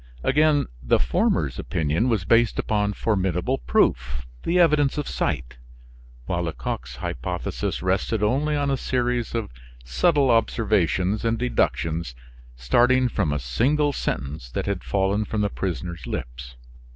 Again, the former's opinion was based upon formidable proof, the evidence of sight; while Lecoq's hypothesis rested only on a series of subtle observations and deductions, starting from a single sentence that had fallen from the prisoner's lips.